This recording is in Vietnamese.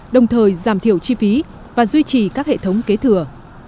đồng thời giảm thiểu chi phí và duy trì các hệ thống kế thừa